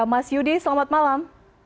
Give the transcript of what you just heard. mas yudi selamat malam